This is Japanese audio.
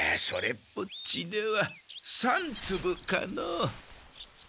っぽっちでは３つぶかの。